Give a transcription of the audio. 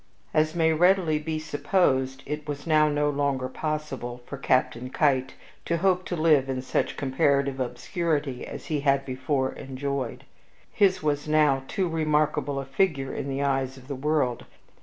As may readily be supposed, it was now no longer possible for Captain Keitt to hope to live in such comparative obscurity as he had before enjoyed. His was now too remarkable a figure in the eyes of the world.